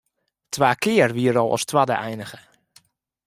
Twa kear wie er al as twadde einige.